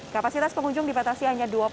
kapasitas pengunjung dipatasi hanya dua